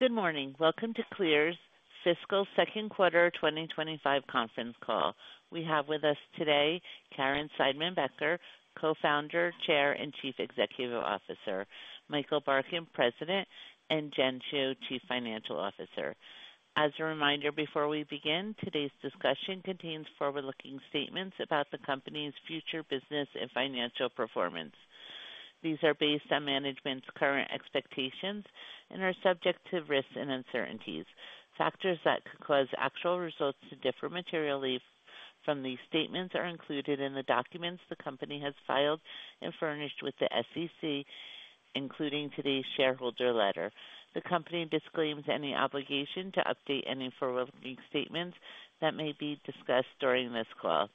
Good morning. Welcome to CLEAR's Fiscal Second Quarter 2025 Conference Call. We have with us today Caryn Seidman-Becker, Co-Founder, Chair, and Chief Executive Officer; Michael Barkin, President; and Jen Hsu, Chief Financial Officer. As a reminder, before we begin, today's discussion contains forward-looking statements about the company's future business and financial performance. These are based on management's current expectations and are subject to risks and uncertainties. Factors that could cause actual results to differ materially from these statements are included in the documents the company has filed and furnished with the SEC, including today's shareholder letter. The company disclaims any obligation to update any forward-looking statements that may be discussed during this call.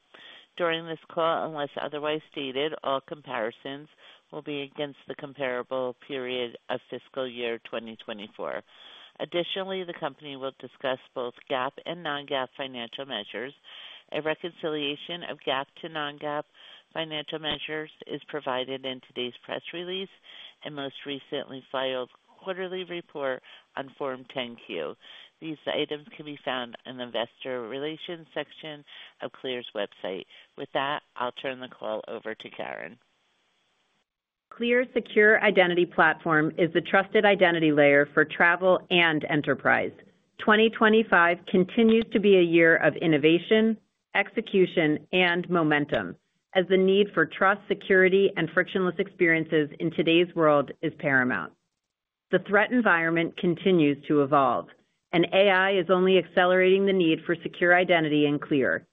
During this call, unless otherwise stated, all comparisons will be against the comparable period of fiscal year 2024. Additionally, the company will discuss both GAAP and non-GAAP financial measures. A reconciliation of GAAP to non-GAAP financial measures is provided in today's press release and most recently filed quarterly report on Form 10-Q. These items can be found in the Investor Relations section of CLEAR Secure's website. With that, I'll turn the call over to Caryn. CLEAR Secure Identity Platform is the trusted identity layer for travel and enterprise. 2025 continues to be a year of innovation, execution, and momentum, as the need for trust, security, and frictionless experiences in today's world is paramount. The threat environment continues to evolve, and AI is only accelerating the need for secure identity in CLEAR.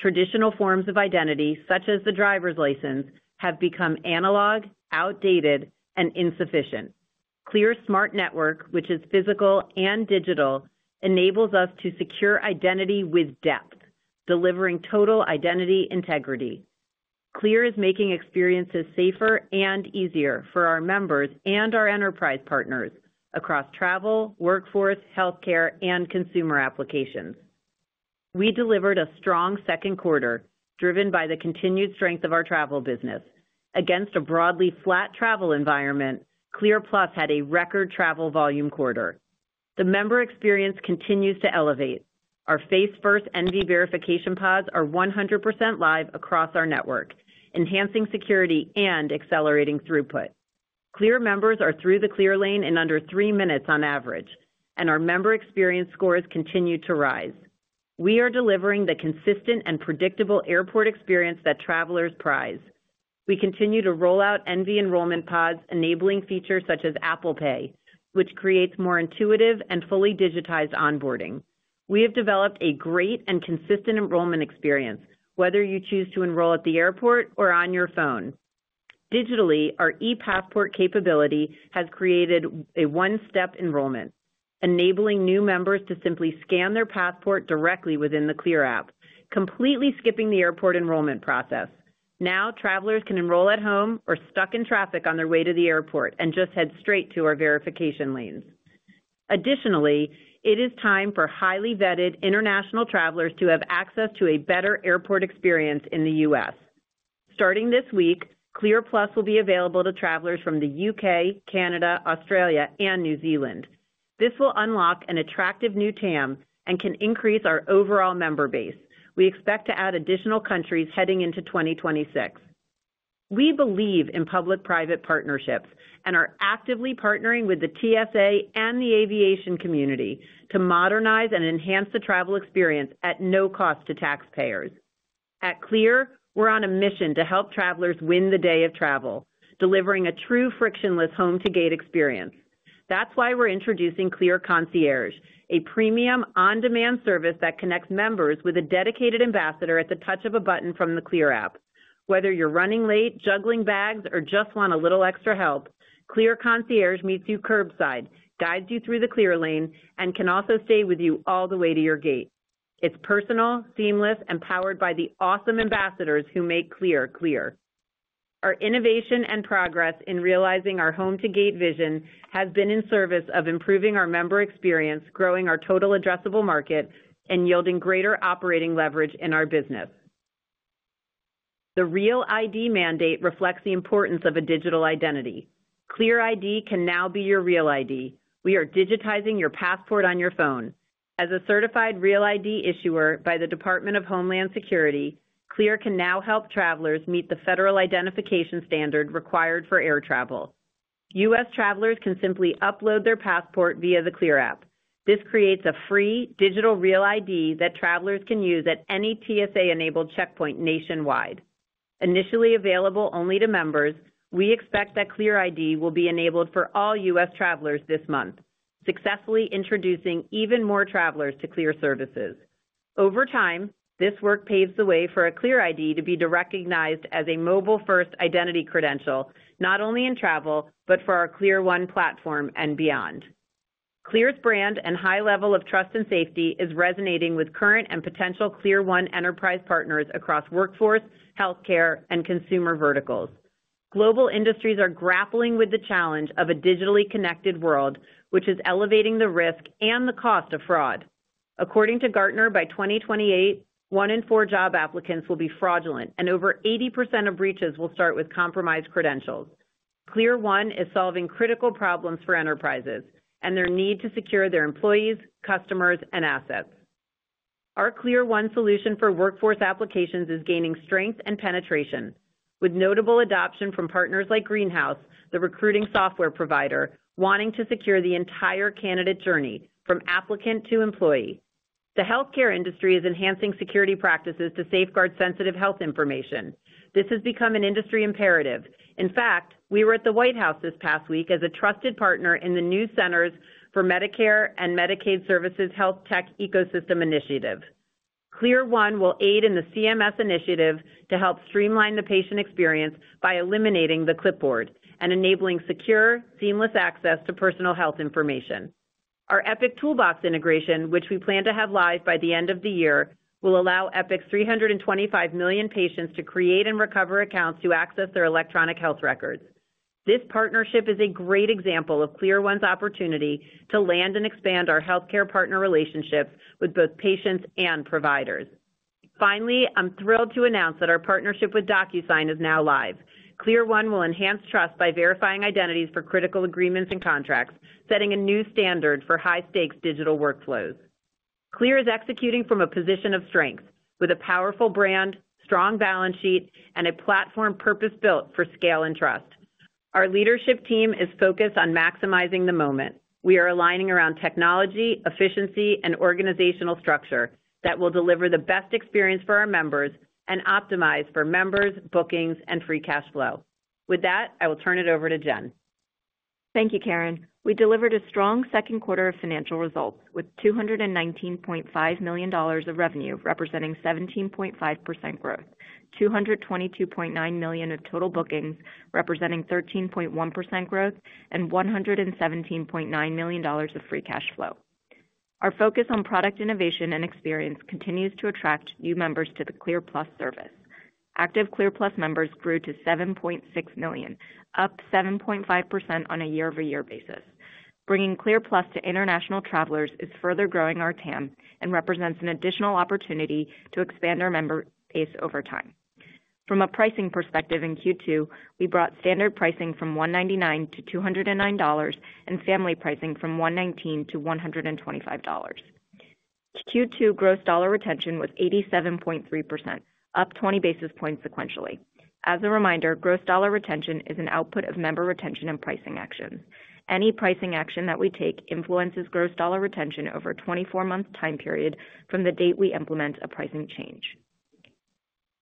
Traditional forms of identity, such as the driver's license, have become analog, outdated, and insufficient. CLEAR's smart network, which is physical and digital, enables us to secure identity with depth, delivering total identity integrity. CLEAR is making experiences safer and easier for our members and our enterprise partners across travel, workforce, healthcare, and consumer applications. We delivered a strong second quarter, driven by the continued strength of our travel business. Against a broadly flat travel environment, CLEAR+ had a record travel volume quarter. The member experience continues to elevate. Our face-first NV verification pods are 100% live across our networks, enhancing security and accelerating throughput. CLEAR members are through the CLEAR lane in under three minutes on average, and our member experience scores continue to rise. We are delivering the consistent and predictable airport experience that travelers prize. We continue to roll out NV enrollment pods, enabling features such as Apple Pay, which creates more intuitive and fully digitized onboarding. We have developed a great and consistent enrollment experience, whether you choose to enroll at the airport or on your phone. Digitally, our ePassport capability has created a one-step enrollment, enabling new members to simply scan their passport directly within the CLEAR App, completely skipping the airport enrollment process. Now, travelers can enroll at home or stuck in traffic on their way to the airport and just head straight to our verification lanes. Additionally, it is time for highly vetted international travelers to have access to a better airport experience in the U.S. Starting this week, CLEAR+ will be available to travelers from the UK, Canada, Australia, and New Zealand. This will unlock an attractive new TAM and can increase our overall member base. We expect to add additional countries heading into 2026. We believe in public-private partnerships and are actively partnering with the TSA and the aviation community to modernize and enhance the travel experience at no cost to taxpayers. At CLEAR, we're on a mission to help travelers win the day of travel, delivering a true frictionless home-to-gate experience. That's why we're introducing CLEAR Concierge, a premium on-demand service that connects members with a dedicated ambassador at the touch of a button from the CLEAR App. Whether you're running late, juggling bags, or just want a little extra help, CLEAR Concierge meets you curbside, guides you through the CLEAR lane, and can also stay with you all the way to your gate. It's personal, seamless, and powered by the awesome ambassadors who make CLEAR CLEAR. Our innovation and progress in realizing our home-to-gate vision have been in service of improving our member experience, growing our total addressable market, and yielding greater operating leverage in our business. The Real ID mandate reflects the importance of a digital identity. CLEAR ID can now be your Real ID. We are digitizing your passport on your phone. As a certified Real ID issuer by the Department of Homeland Security, CLEAR can now help travelers meet the federal identification standard required for air travel. U.S. travelers can simply upload their passport via the CLEAR App. This creates a free digital Real ID that travelers can use at any TSA-enabled checkpoint nationwide. Initially available only to members, we expect that CLEAR ID will be enabled for all US travelers this month, successfully introducing even more travelers to CLEAR services. Over time, this work paves the way for a CLEAR ID to be recognized as a mobile-first identity credential, not only in travel but for our CLEAR1 platform and beyond. CLEAR's brand and high level of trust and safety are resonating with current and potential CLEAR1 enterprise partners across workforce, healthcare, and consumer verticals. Global industries are grappling with the challenge of a digitally connected world, which is elevating the risk and the cost of fraud. According to Gartner, by 2028, one in four job applicants will be fraudulent, and over 80% of breaches will start with compromised credentials. CLEAR1 is solving critical problems for enterprises and their need to secure their employees, customers, and assets. Our CLEAR1 solution for workforce applications is gaining strength and penetration, with notable adoption from partners like Greenhouse, the recruiting software provider wanting to secure the entire candidate journey, from applicant to employee. The healthcare industry is enhancing security practices to safeguard sensitive health information. This has become an industry imperative. In fact, we were at the White House this past week as a trusted partner in the new CMS Health Tech Ecosystem Initiative. CLEAR1 will aid in the CMS initiative to help streamline the patient experience by eliminating the clipboard and enabling secure, seamless access to personal health information. Our Epic Toolbox integration, which we plan to have live by the end of the year, will allow Epic's 325 million patients to create and recover accounts to access their electronic health records. This partnership is a great example of CLEAR1's opportunity to land and expand our healthcare partner relationships with both patients and providers. Finally, I'm thrilled to announce that our partnership with DocuSign is now live. CLEAR1 will enhance trust by verifying identities for critical agreements and contracts, setting a new standard for high-stakes digital workflows. CLEAR is executing from a position of strength, with a powerful brand, strong balance sheet, and a platform purpose-built for scale and trust. Our leadership team is focused on maximizing the moment. We are aligning around technology, efficiency, and organizational structure that will deliver the best experience for our members and optimize for members, bookings, and free cash flow. With that, I will turn it over to Jen. Thank you, Caryn. We delivered a strong second quarter of financial results with $219.5 million of revenue, representing 17.5% growth, $222.9 million of total bookings, representing 13.1% growth, and $117.9 million of free cash flow. Our focus on product innovation and experience continues to attract new members to the CLEAR+ service. Active CLEAR+ members grew to 7.6 million, up 7.5% on a year-over-year basis. Bringing CLEAR+ to international travelers is further growing our TAM and represents an additional opportunity to expand our member base over time. From a pricing perspective, in Q2, we brought standard pricing from $199 to $209 and family pricing from $119 to $125. Q2 gross dollar retention was 87.3%, up 20 basis points sequentially. As a reminder, gross dollar retention is an output of member retention and pricing actions. Any pricing action that we take influences gross dollar retention over a 24-month time period from the date we implement a pricing change.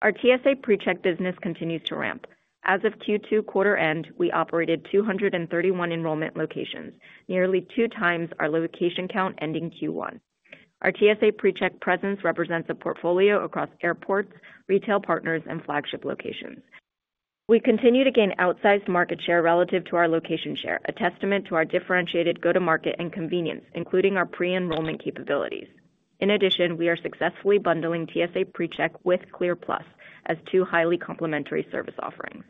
Our TSA PreCheck business continues to ramp. As of Q2 quarter end, we operated 231 enrollment locations, nearly two times our location count ending Q1. Our TSA PreCheck presence represents a portfolio across airports, retail partners, and flagship locations. We continue to gain outsized market share relative to our location share, a testament to our differentiated go-to-market and convenience, including our pre-enrollment capabilities. In addition, we are successfully bundling TSA PreCheck with CLEAR+ as two highly complementary service offerings.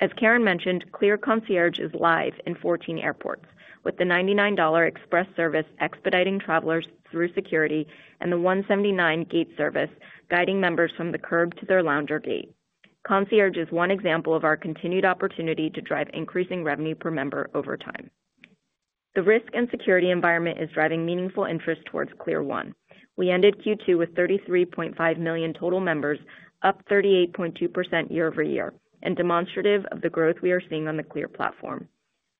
As Caryn mentioned, CLEAR Concierge is live in 14 airports, with the $99 express service expediting travelers through security and the $179 gate service guiding members from the curb to their lounge or gate. Concierge is one example of our continued opportunity to drive increasing revenue per member over time. The risk and security environment is driving meaningful interest towards CLEAR1. We ended Q2 with 33.5 million total members, up 38.2% year-over-year, and demonstrative of the growth we are seeing on the CLEAR platform.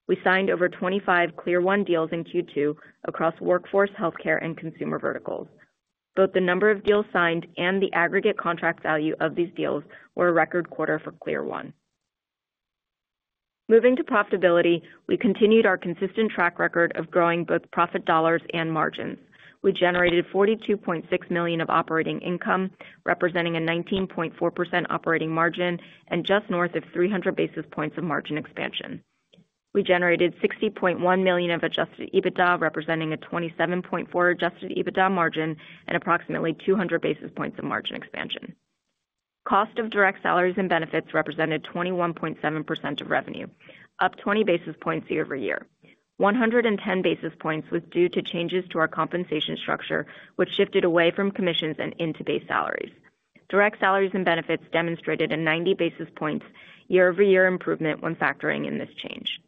We signed over 25 CLEAR1 deals in Q2 across workforce, healthcare, and consumer verticals. Both the number of deals signed and the aggregate contract value of these deals were a record quarter for CLEAR1. Moving to profitability, we continued our consistent track record of growing both profit dollars and margins. We generated $42.6 million of operating income, representing a 19.4% operating margin and just north of 300 basis points of margin expansion. We generated $60.1 million of adjusted EBITDA, representing a 27.4% adjusted EBITDA margin and approximately 200 basis points of margin expansion. Cost of direct salaries and benefits represented 21.7% of revenue, up 20 basis points year-over-year. 110 basis points was due to changes to our compensation structure, which shifted away from commissions and into base salaries. Direct salaries and benefits demonstrated a 90 basis points year-over-year improvement when factoring in this change.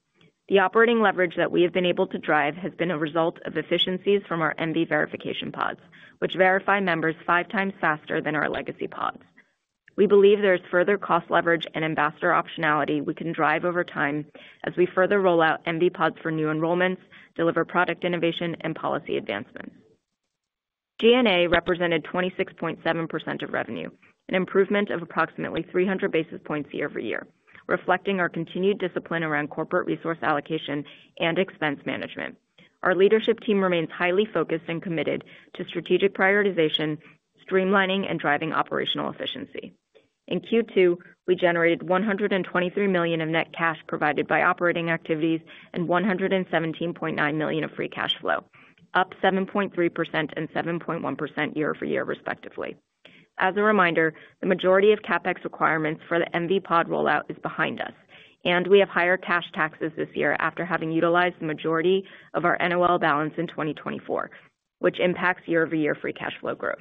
The operating leverage that we have been able to drive has been a result of efficiencies from our NV verification pods, which verify members five times faster than our legacy pods. We believe there is further cost leverage and ambassador optionality we can drive over time as we further roll out NV pods for new enrollments, deliver product innovation, and policy advancement. G&A represented 26.7% of revenue, an improvement of approximately 300 basis points year-over-year, reflecting our continued discipline around corporate resource allocation and expense management. Our leadership team remains highly focused and committed to strategic prioritization, streamlining, and driving operational efficiency. In Q2, we generated $123 million of net cash provided by operating activities and $117.9 million of free cash flow, up 7.3% and 7.1% year-over-year, respectively. As a reminder, the majority of CapEx requirements for the NV pod rollout is behind us, and we have higher cash taxes this year after having utilized the majority of our NOL balance in 2024, which impacts year-over-year free cash flow growth.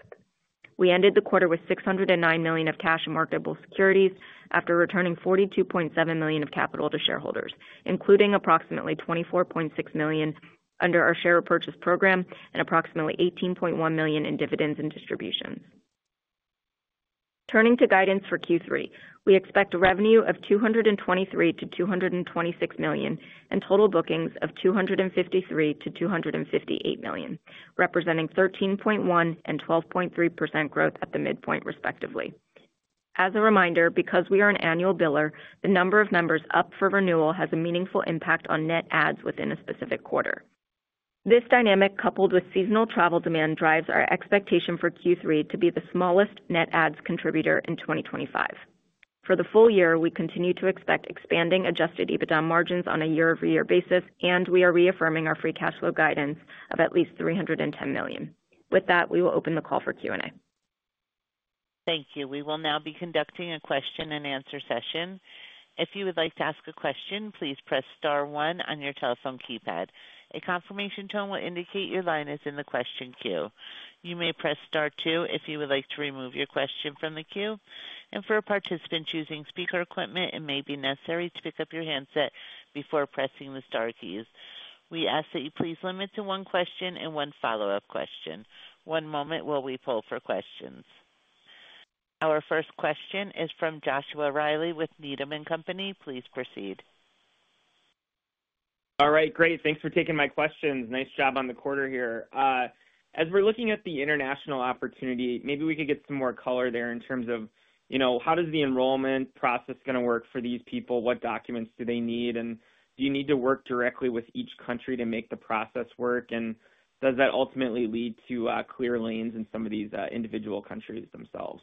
We ended the quarter with $609 million of cash in marketable securities after returning $42.7 million of capital to shareholders, including approximately $24.6 million under our share purchase program and approximately $18.1 million in dividends and distributions. Turning to guidance for Q3, we expect revenue of $223 million-$226 million and total bookings of $253 million-$258 million, representing 13.1% and 12.3% growth at the midpoint, respectively. As a reminder, because we are an annual biller, the number of members up for renewal has a meaningful impact on net adds within a specific quarter. This dynamic, coupled with seasonal travel demand, drives our expectation for Q3 to be the smallest net adds contributor in 2025. For the full year, we continue to expect expanding adjusted EBITDA margins on a year-over-year basis, and we are reaffirming our free cash flow guidance of at least $310 million. With that, we will open the call for Q&A. Thank you. We will now be conducting a question and answer session. If you would like to ask a question, please press star one on your telephone keypad. A confirmation tone will indicate your line is in the question queue. You may press star two if you would like to remove your question from the queue. For a participant choosing speaker equipment, it may be necessary to pick up your handset before pressing the star keys. We ask that you please limit to one question and one follow-up question. One moment while we poll for questions. Our first question is from Joshua Reilly with Needham & Company. Please proceed. All right, great. Thanks for taking my questions. Nice job on the quarter here. As we're looking at the international opportunity, maybe we could get some more color there in terms of, you know, how does the enrollment process going to work for these people? What documents do they need? Do you need to work directly with each country to make the process work? Does that ultimately lead to CLEAR lanes in some of these individual countries themselves?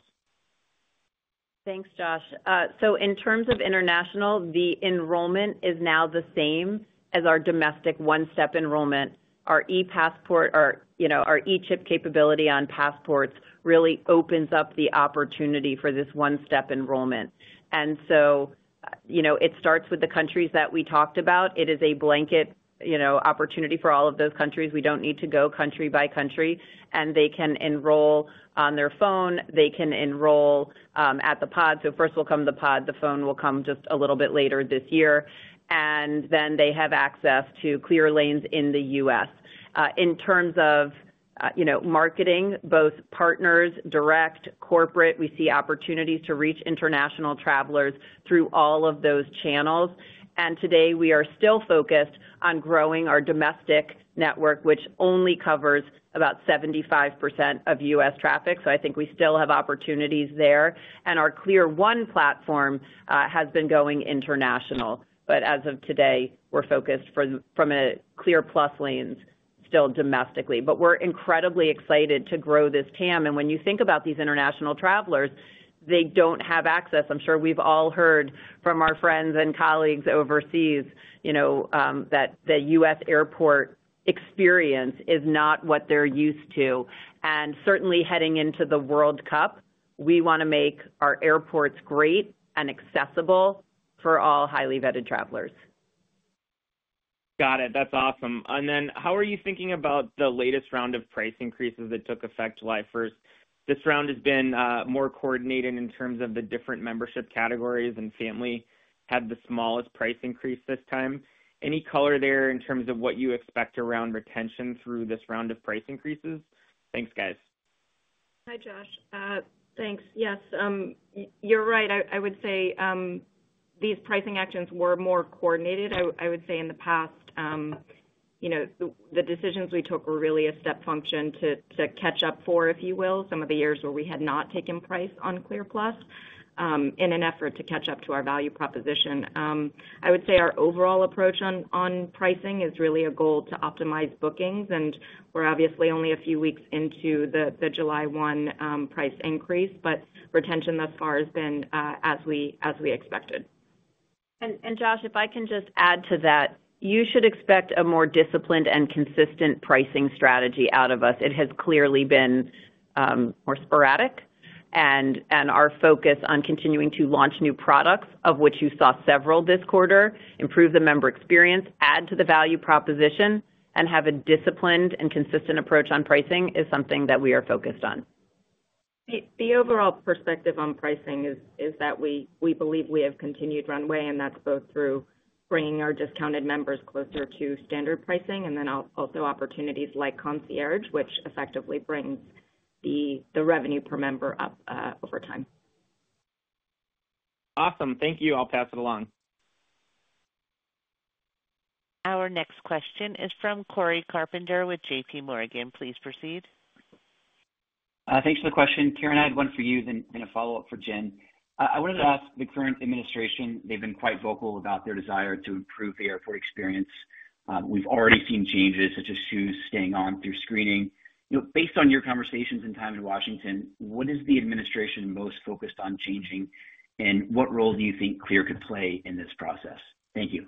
Thanks, Josh. In terms of international, the enrollment is now the same as our domestic one-step enrollment. Our ePassport, our e-chip capability on passports really opens up the opportunity for this one-step enrollment. It starts with the countries that we talked about. It is a blanket opportunity for all of those countries. We don't need to go country by country. They can enroll on their phone. They can enroll at the pod. First will come the pod. The phone will come just a little bit later this year. They have access to CLEAR lanes in the U.S. In terms of marketing, both partners, direct, corporate, we see opportunities to reach international travelers through all of those channels. Today, we are still focused on growing our domestic network, which only covers about 75% of US traffic. I think we still have opportunities there. Our CLEAR1 platform has been going international. As of today, we're focused from a CLEAR+ lane still domestically. We're incredibly excited to grow this TAM. When you think about these international travelers, they don't have access. I'm sure we've all heard from our friends and colleagues overseas that the US airport experience is not what they're used to. Certainly heading into the World Cup, we want to make our airports great and accessible for all highly vetted travelers. Got it. That's awesome. How are you thinking about the latest round of price increases that took effect July 1? This round has been more coordinated in terms of the different membership categories, and Family had the smallest price increase this time. Any color there in terms of what you expect around retention through this round of price increases? Thanks, guys. Hi, Josh. Thanks. Yes, you're right. I would say these pricing actions were more coordinated. I would say in the past, the decisions we took were really a step function to catch up for, if you will, some of the years where we had not taken price on CLEAR+ in an effort to catch up to our value proposition. I would say our overall approach on pricing is really a goal to optimize bookings. We're obviously only a few weeks into the July 1 price increase, but retention thus far has been as we expected. Josh, if I can just add to that, you should expect a more disciplined and consistent pricing strategy out of us. It has clearly been more sporadic. Our focus on continuing to launch new products, of which you saw several this quarter, improve the member experience, add to the value proposition, and have a disciplined and consistent approach on pricing is something that we are focused on. The overall perspective on pricing is that we believe we have continued runway, and that's both through bringing our discounted members closer to standard pricing, and then also opportunities like CLEAR Concierge, which effectively brings the revenue per member up over time. Awesome. Thank you. I'll pass it along. Our next question is from Cory Carpenter with JPMorgan. Please proceed. Thanks for the question. Caryn, I had one for you and then a follow-up for Jen. I wanted to ask about the current administration. They've been quite vocal about their desire to improve the airport experience. We've already seen changes, such as shoes staying on through screening. Based on your conversations and time in Washington, what is the administration most focused on changing, and what role do you think CLEAR could play in this process? Thank you.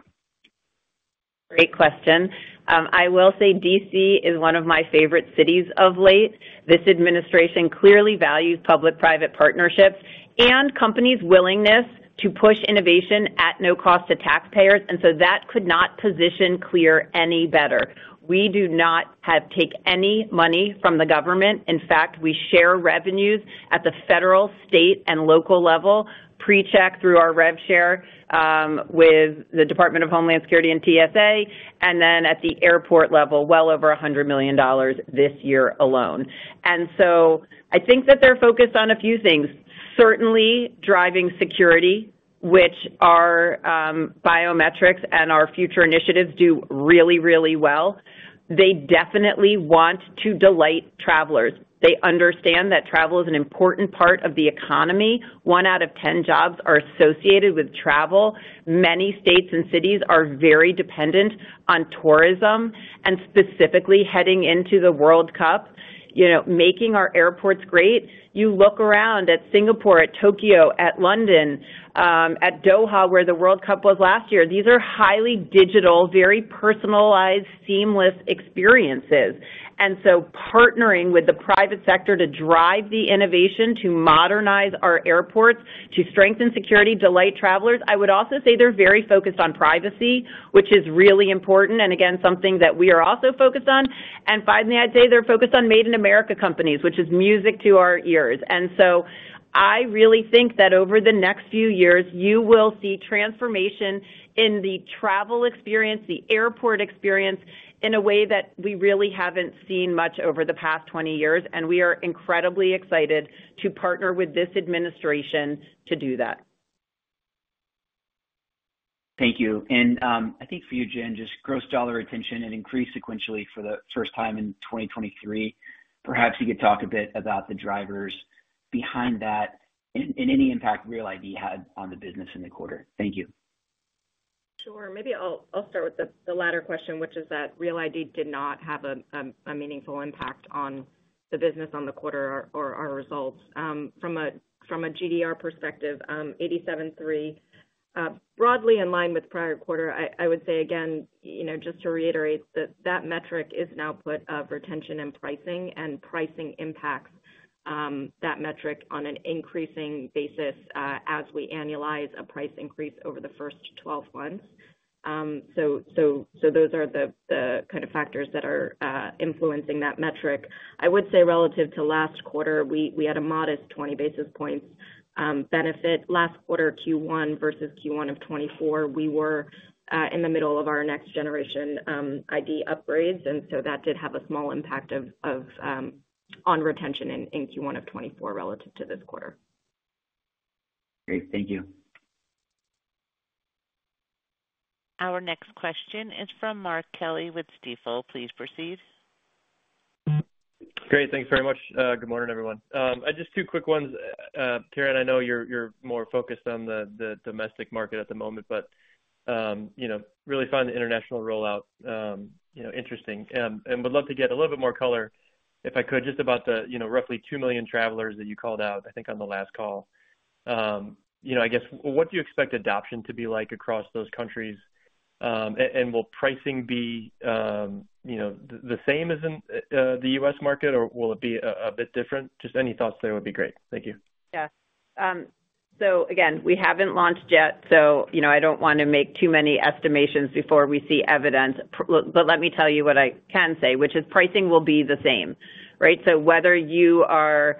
Great question. I will say D.C. is one of my favorite cities of late. This administration clearly values public-private partnerships and companies' willingness to push innovation at no cost to taxpayers. That could not position CLEAR Secure any better. We do not take any money from the government. In fact, we share revenues at the federal, state, and local level, pre-check through our rev share with the Department of Homeland Security and TSA, and then at the airport level, well over $100 million this year alone. I think that they're focused on a few things. Certainly, driving security, which our biometrics and our future initiatives do really, really well. They definitely want to delight travelers. They understand that travel is an important part of the economy. One out of ten jobs are associated with travel. Many states and cities are very dependent on tourism, and specifically heading into the World Cup, making our airports great. You look around at Singapore, at Tokyo, at London, at Doha, where the World Cup was last year. These are highly digital, very personalized, seamless experiences. Partnering with the private sector to drive the innovation, to modernize our airports, to strengthen security, delight travelers. I would also say they're very focused on privacy, which is really important, and again, something that we are also focused on. Finally, I'd say they're focused on Made in America companies, which is music to our ears. I really think that over the next few years, you will see transformation in the travel experience, the airport experience, in a way that we really haven't seen much over the past 20 years. We are incredibly excited to partner with this administration to do that. Thank you. I think for you, Jen, just gross dollar retention did increase sequentially for the first time in 2023. Perhaps you could talk a bit about the drivers behind that and any impact Real ID had on the business in the quarter. Thank you. Sure. Maybe I'll start with the latter question, which is that Real ID did not have a meaningful impact on the business on the quarter or our results. From a GDR perspective, 87.3%, broadly in line with prior quarter. I would say, again, just to reiterate that that metric is an output of retention and pricing, and pricing impacts that metric on an increasing basis as we annualize a price increase over the first 12 months. Those are the kind of factors that are influencing that metric. I would say relative to last quarter, we had a modest 20 basis point benefit. Last quarter, Q1 versus Q1 of 2024, we were in the middle of our next generation ID upgrades. That did have a small impact on retention in Q1 of 2024 relative to this quarter. Great, thank you. Our next question is from Mark Kelley with Stifel. Please proceed. Great. Thanks very much. Good morning, everyone. Just two quick ones. Caryn, I know you're more focused on the domestic market at the moment, but I really find the international rollout interesting and would love to get a little bit more color, if I could, just about the roughly 2 million travelers that you called out, I think, on the last call. I guess, what do you expect adoption to be like across those countries? Will pricing be the same as in the US market, or will it be a bit different? Any thoughts there would be great. Thank you. Yes. We haven't launched yet, so I don't want to make too many estimations before we see evidence. Let me tell you what I can say, which is pricing will be the same. Whether you are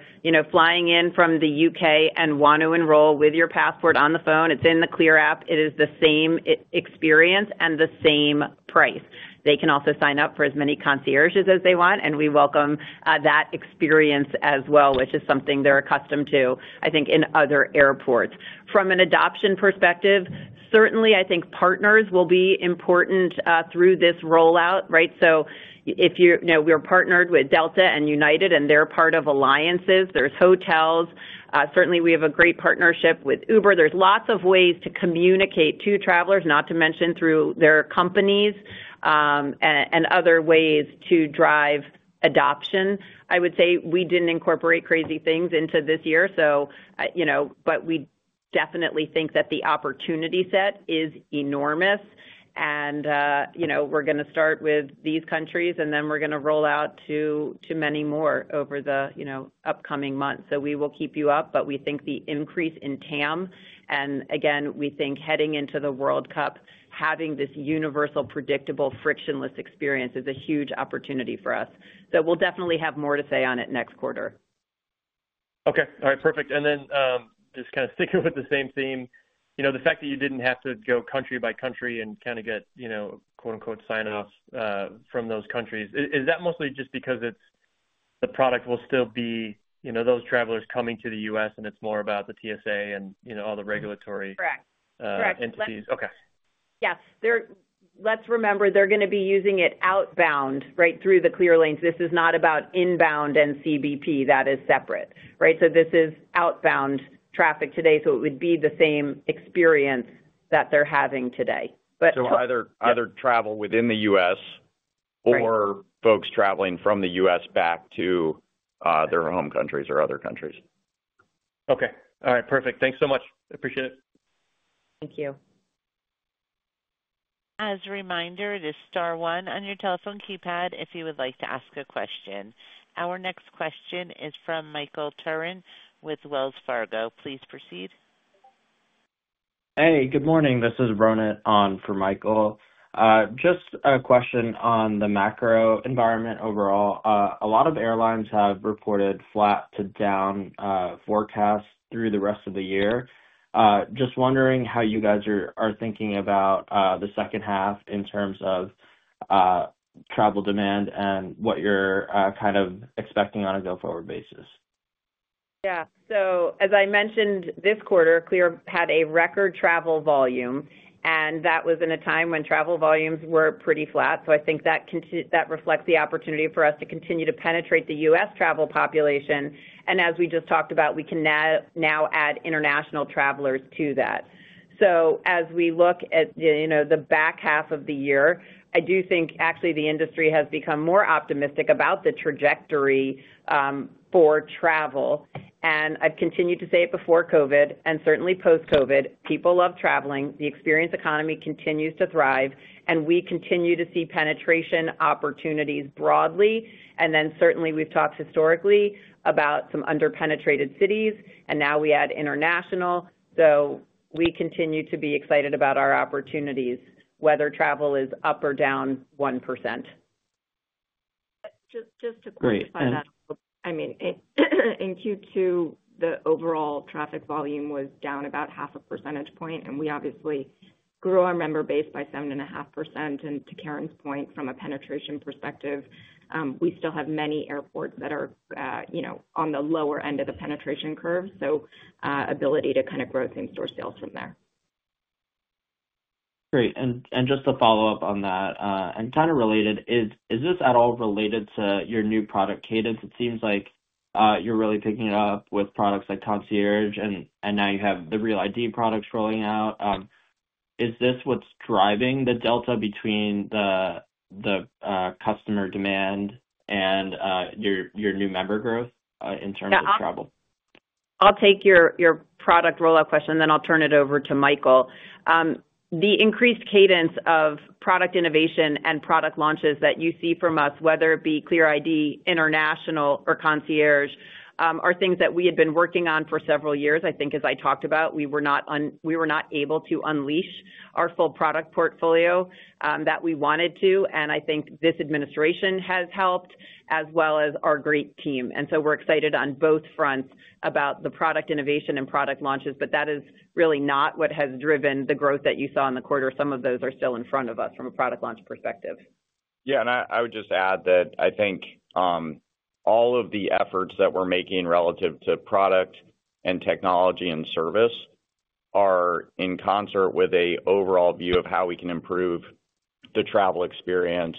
flying in from the UK and want to enroll with your passport on the phone, it's in the CLEAR App. It is the same experience and the same price. They can also sign up for as many concierges as they want, and we welcome that experience as well, which is something they're accustomed to, I think, in other airports. From an adoption perspective, certainly, I think partners will be important through this rollout. If you know we're partnered with Delta and United, and they're part of alliances, there's hotels. Certainly, we have a great partnership with Uber. There are lots of ways to communicate to travelers, not to mention through their companies and other ways to drive adoption. I would say we didn't incorporate crazy things into this year, but we definitely think that the opportunity set is enormous. We're going to start with these countries, and then we're going to roll out to many more over the upcoming months. We will keep you up. We think the increase in TAM, and again, we think heading into the World Cup, having this universal, predictable, frictionless experience is a huge opportunity for us. We'll definitely have more to say on it next quarter. OK. All right. Perfect. Just kind of sticking with the same theme, the fact that you didn't have to go country by country and get, you know, quote unquote, "sign-offs" from those countries, is that mostly just because the product will still be those travelers coming to the U.S., and it's more about the TSA and all the regulatory entities? Correct. Correct. Yeah. Let's remember, they're going to be using it outbound, right, through the CLEAR lanes. This is not about inbound and CBP. That is separate, right? This is outbound traffic today. It would be the same experience that they're having today. Either travel within the U.S. or folks traveling from the U.S. back to their home countries or other countries. All right. Perfect. Thanks so much. I appreciate it. Thank you. As a reminder, it is star one on your telephone keypad if you would like to ask a question. Our next question is from Michael Turrin with Wells Fargo. Please proceed. Hey, good morning. This is Ronit on for Michael. Just a question on the macro environment overall. A lot of airlines have reported flat to down forecasts through the rest of the year. Just wondering how you guys are thinking about the second half in terms of travel demand and what you're kind of expecting on a go-forward basis. Yeah. As I mentioned, this quarter, CLEAR had a record travel volume. That was in a time when travel volumes were pretty flat. I think that reflects the opportunity for us to continue to penetrate the US travel population. As we just talked about, we can now add international travelers to that. As we look at the back half of the year, I do think actually the industry has become more optimistic about the trajectory for travel. I've continued to say it before COVID and certainly Post-COVID, people love traveling. The experience economy continues to thrive. We continue to see penetration opportunities broadly. Certainly, we've talked historically about some underpenetrated cities. Now we add international. We continue to be excited about our opportunities, whether travel is up or down 1%. Just to clarify that, I mean, in Q2, the overall traffic volume was down about 0.5%. We obviously grew our member base by 7.5%. To Caryn's point, from a penetration perspective, we still have many airports that are on the lower end of the penetration curve. Ability to kind of grow things towards sales from there. Great. Just to follow up on that and kind of related, is this at all related to your new product cadence? It seems like you're really picking it up with products like CLEAR Concierge, and now you have the Real ID products rolling out. Is this what's driving the delta between the customer demand and your new member growth in terms of travel? I'll take your product rollout question, and then I'll turn it over to Michael. The increased cadence of product innovation and product launches that you see from us, whether it be CLEAR ID, international, or Concierge, are things that we had been working on for several years. I think, as I talked about, we were not able to unleash our full product portfolio that we wanted to. I think this administration has helped, as well as our great team. We are excited on both fronts about the product innovation and product launches. That is really not what has driven the growth that you saw in the quarter. Some of those are still in front of us from a product launch perspective. Yeah. I would just add that I think all of the efforts that we're making relative to product and technology and service are in concert with an overall view of how we can improve the travel experience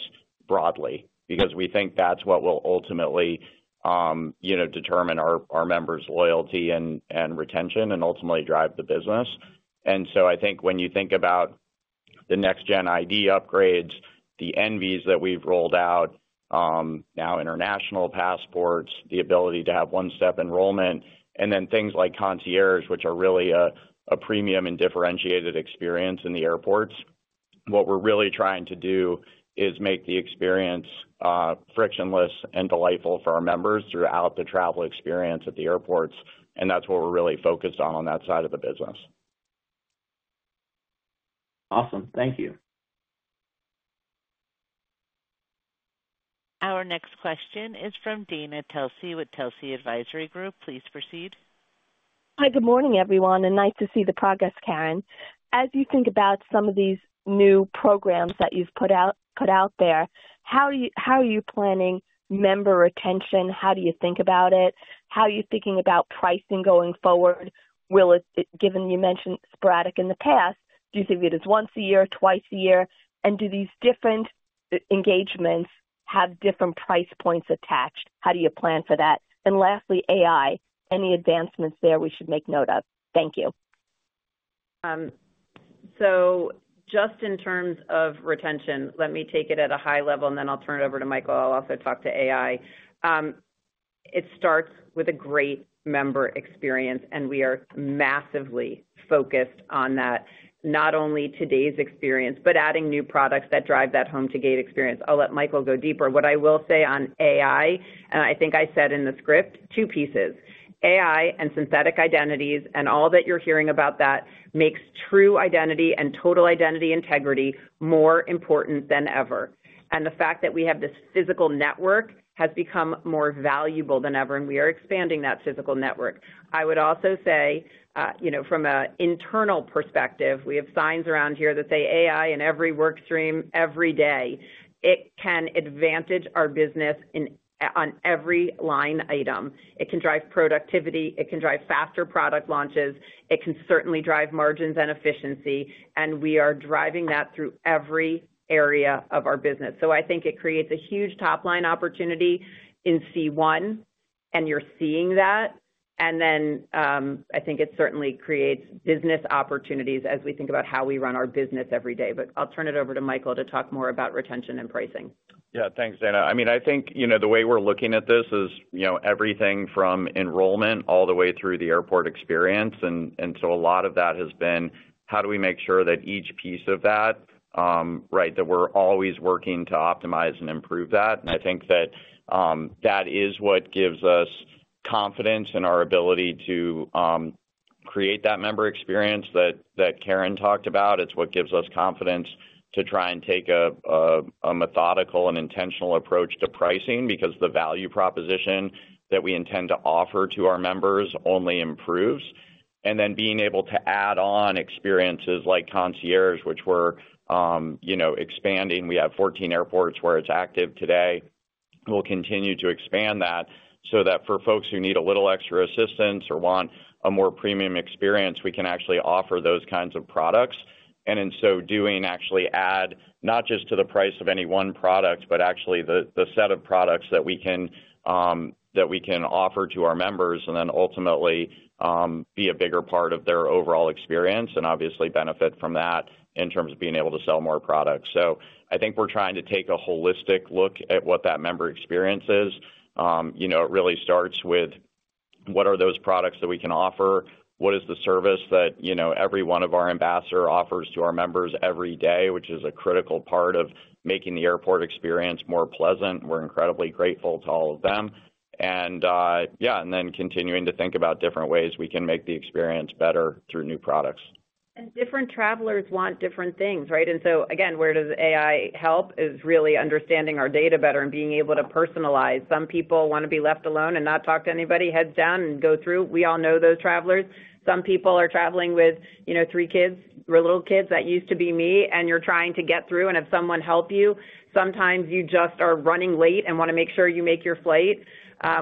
broadly, because we think that's what will ultimately determine our members' loyalty and retention and ultimately drive the business. I think when you think about the next-gen ID upgrades, the NVs that we've rolled out, now international passports, the ability to have one-step enrollment, and then things like CLEAR Concierge, which are really a premium and differentiated experience in the airports, what we're really trying to do is make the experience frictionless and delightful for our members throughout the travel experience at the airports. That's what we're really focused on on that side of the business. Awesome. Thank you. Our next question is from Dana Telsey with Telsey Advisory Group. Please proceed. Hi. Good morning, everyone. Nice to see the progress, Caryn. As you think about some of these new programs that you've put out there, how are you planning member retention? How do you think about it? How are you thinking about pricing going forward? Given you mentioned sporadic in the past, do you think it is once a year, twice a year? Do these different engagements have different price points attached? How do you plan for that? Lastly, AI, any advancements there we should make note of? Thank you. Just in terms of retention, let me take it at a high level, and then I'll turn it over to Michael. I'll also talk to AI. It starts with a great member experience. We are massively focused on that, not only today's experience, but adding new products that drive that home-to-gate experience. I'll let Michael go deeper. What I will say on AI, and I think I said in the script, two pieces. AI and synthetic identities and all that you're hearing about, that makes true identity and total identity integrity more important than ever. The fact that we have this physical network has become more valuable than ever. We are expanding that physical network. I would also say, from an internal perspective, we have signs around here that say AI in every work stream every day. It can advantage our business on every line item. It can drive productivity. It can drive faster product launches. It can certainly drive margins and efficiency. We are driving that through every area of our business. I think it creates a huge top-line opportunity in C1, and you're seeing that. I think it certainly creates business opportunities as we think about how we run our business every day. I'll turn it over to Michael to talk more about retention and pricing. Yeah, thanks, Dana. I mean, I think the way we're looking at this is everything from enrollment all the way through the airport experience. A lot of that has been, how do we make sure that each piece of that, right, that we're always working to optimize and improve that? I think that is what gives us confidence in our ability to create that member experience that Caryn talked about. It's what gives us confidence to try and take a methodical and intentional approach to pricing, because the value proposition that we intend to offer to our members only improves. Being able to add on experiences like CLEAR Concierge, which we're expanding. We have 14 airports where it's active today. We'll continue to expand that so that for folks who need a little extra assistance or want a more premium experience, we can actually offer those kinds of products. In so doing, actually add not just to the price of any one product, but actually the set of products that we can offer to our members and then ultimately be a bigger part of their overall experience and obviously benefit from that in terms of being able to sell more products. I think we're trying to take a holistic look at what that member experience is. It really starts with what are those products that we can offer? What is the service that every one of our ambassadors offers to our members every day, which is a critical part of making the airport experience more pleasant? We're incredibly grateful to all of them. Yeah, and then continuing to think about different ways we can make the experience better through new products. Different travelers want different things, right? Where AI helps is really understanding our data better and being able to personalize. Some people want to be left alone and not talk to anybody, head down and go through. We all know those travelers. Some people are traveling with, you know, three kids, little kids—that used to be me—and you're trying to get through and have someone help you. Sometimes you just are running late and want to make sure you make your flight.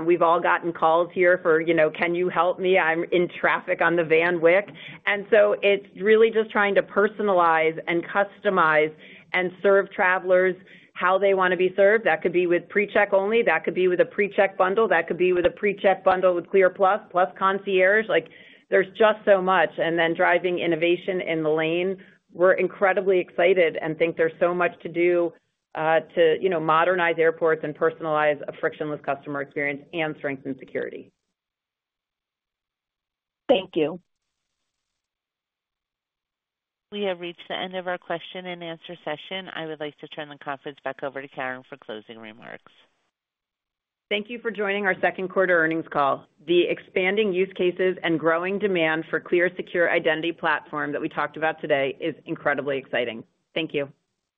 We've all gotten calls here for, you know, can you help me? I'm in traffic on the Van Wyck. It's really just trying to personalize and customize and serve travelers how they want to be served. That could be with PreCheck only. That could be with a PreCheck bundle. That could be with a PreCheck bundle with CLEAR+ plus Concierge. There's just so much. Driving innovation in the lane, we're incredibly excited and think there's so much to do to modernize airports and personalize a frictionless customer experience and strengthen security. Thank you. We have reached the end of our question and answer session. I would like to turn the conference back over to Caryn for closing remarks. Thank you for joining our second quarter earnings call. The expanding use cases and growing demand for the CLEAR Secure Identity Platform that we talked about today is incredibly exciting. Thank you.